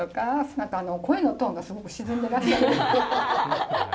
何か声のトーンがすごく沈んでらした。